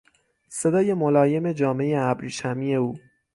صدای ملایم جامهی ابریشمی او